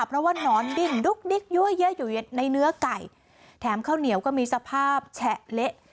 เพราะว่านอนดิ้งดุ๊กดิ๊กยั่วเยอะอยู่ในเนื้อไก่แถมข้าวเหนียวก็มีสภาพแฉะเละ